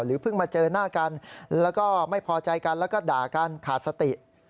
เพิ่งมาเจอหน้ากันแล้วก็ไม่พอใจกันแล้วก็ด่ากันขาดสติ